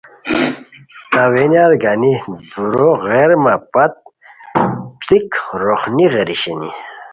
تاویناری گانی دُورو غیارمہ پت پیڑیک روخنی غیری شینی